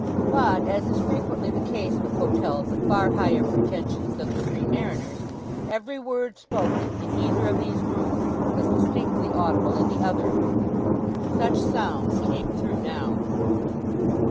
But, as is frequently the case with hotels of far higher pretensions than the Three Mariners, every word spoken in either of these rooms was distinctly audible in the other. Such sounds came through now.